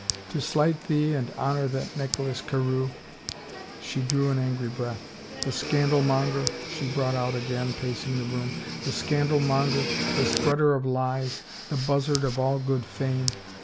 To slight thee and honor that Nicholas Carewe I " She drew an angry breath. " The scandal monger," she brought out, again pacing the room ;" the scandal monger, the spreader of lies, the buzzard of all good fame!